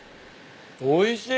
おいしい。